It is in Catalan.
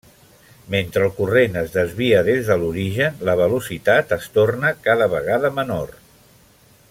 Mentre el corrent es desvia des de l'origen, la velocitat es torna cada vegada menor.